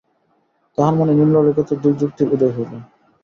তাঁহার মনে নিম্নলিখিত দুই যুক্তির উদয় হইল।